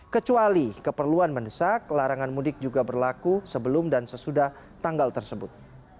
kecuali keperluan mendesak larangan mudik juga berlaku sebelum dan sesudah tanggal tersebut